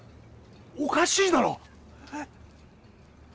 おかしいだろ？